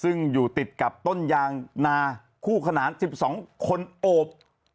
ซึ่งอยู่ติดกับต้นยางนาคู่ขนาน๑๒คนโอบ